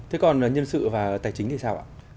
thế còn nhân sự và tài chính thì sao ạ